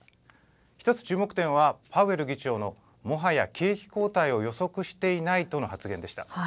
一つ、注目点は、パウエル議長のもはや景気後退を予測していないとの発言でした。